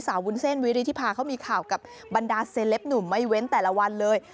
วุ้นเส้นวิริธิภาเขามีข่าวกับบรรดาเซลปหนุ่มไม่เว้นแต่ละวันเลย